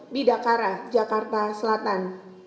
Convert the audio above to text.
di dakara jakarta selatan